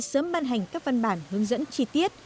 sớm ban hành các văn bản hướng dẫn chi tiết